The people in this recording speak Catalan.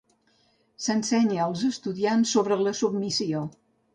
S'ensenya als estudiants sobre la submissió.